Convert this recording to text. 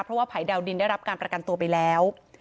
เพราะว่าภัยดาวดินได้รับการประกันตัวไปแล้ว